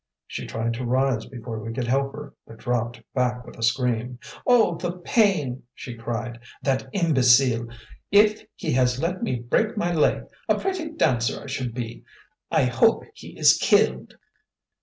She tried to rise before we could help her, but dropped back with a scream. "Oh, the pain!" she cried. "That imbecile! If he has let me break my leg! A pretty dancer I should be! I hope he is killed."